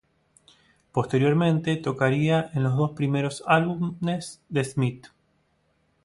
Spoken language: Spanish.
Posteriormente tocaría en los dos primeros álbumes de Smith.